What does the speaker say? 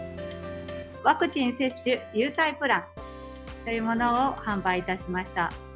ワクチン接種優待プランというものを販売いたしました。